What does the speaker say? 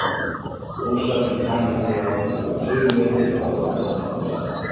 Also contained in the album were two medleys of holiday songs.